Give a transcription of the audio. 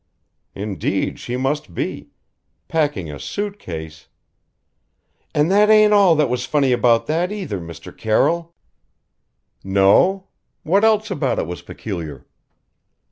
"Indeed she must be. Packing a suit case " "And that ain't all that was funny about that, either, Mr. Carroll." "No? What else about it was peculiar?"